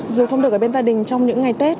dù không được ở bên gia đình trong những ngày tết